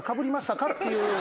っていう。